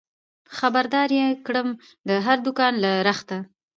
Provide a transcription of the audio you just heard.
خبر دار يې کړم د هر دوکان له رخته